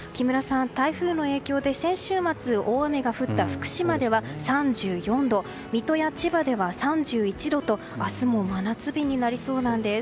台風の影響で先週末、大雨が降った福島では３４度水戸や千葉では３１度と明日も真夏日になりそうなんです。